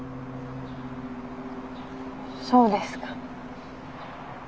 そうですか。